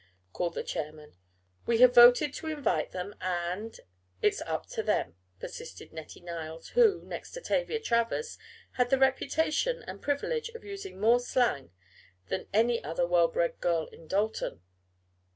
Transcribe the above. called the chairman. "We have voted to invite them and " "It's up to them," persisted Nettie Niles, who, next to Tavia Travers, had the reputation and privilege of using more slang than any other well bred girl in Dalton.